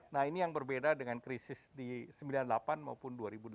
nah ini yang berbeda dengan krisis di sembilan puluh delapan maupun dua ribu delapan